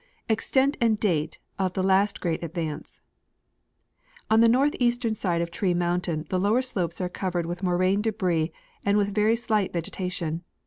Extent and Date of the last great Advance. On the northeastern side of Tree mountain the lower slopes are covered with moraine debris and with very slight vegetation.